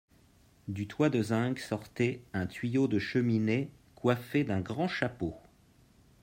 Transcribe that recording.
Du toit de zinc sortait un tuyau de cheminée coiffe d'un grand chapeau.